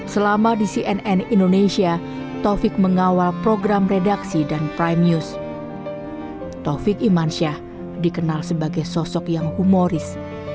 selama di cnn indonesia taufik mengawal program redaksi dan prime news